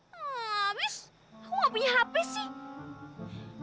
hmm abis aku gak punya hp sih